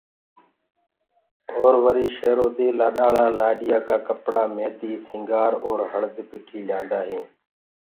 اور وري شيرو دي لآڏآݪآ لآڏيآ ڪآ ڪپڙآ، ميدي، سنگھآر اور هݪد پِٺي ليآندآ هينٚ